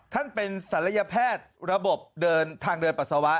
ท่านเป็นศัลยแพทย์ระบบเดินทางเดินปัสสาวะ